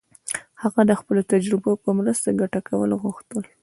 هغه د خپلو تجربو په مرسته ګټه کول غوښتل.